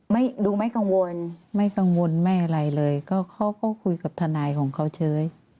ไม่ดูไม่กังวลไม่กังวลไม่อะไรเลยก็เขาก็คุยกับทนายของเขาเฉย